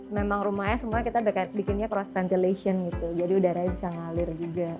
memang rumahnya semuanya kita bikinnya cross ventilation gitu jadi udaranya bisa ngalir juga